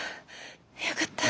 よかった。